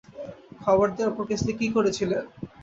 খবর দেয়ার পর কেসলি কী করেছিলেন?